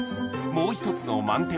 もう１つの満天